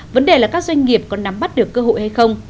vấn đề là các doanh nghiệp có nắm bắt được cơ hội hay không